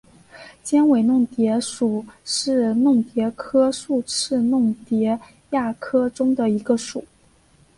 尖尾弄蝶属是弄蝶科竖翅弄蝶亚科中的一个属。